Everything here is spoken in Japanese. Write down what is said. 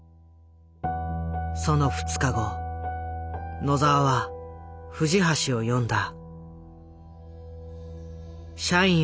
その２日後野澤は藤橋を呼んだ。